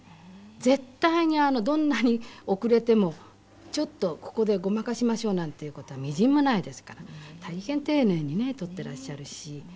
絶対にどんなに遅れてもちょっとここでごまかしましょうなんていう事はみじんもないですから大変丁寧にね撮っていらっしゃるし。